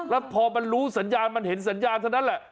แล้วพอมันรู้สัญญาณมันเห็นสัญญาณเท่านั้นแหละ